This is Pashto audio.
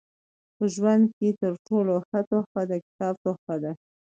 په ژوند کښي تر ټولو ښه تحفه د کتاب تحفه ده.